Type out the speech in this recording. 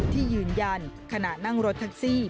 ที่ยืนยันขณะนั่งรถแท็กซี่